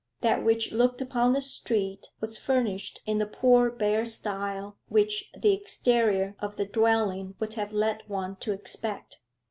That which looked upon the street was furnished in the poor bare style which the exterior of the dwelling would have led one to expect.